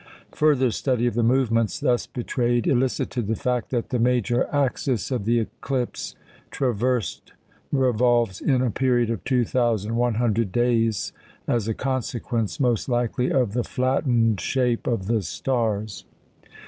Further study of the movements thus betrayed elicited the fact that the major axis of the eclipse traversed revolves in a period of 2,100 days, as a consequence, most likely, of the flattened shape of the stars.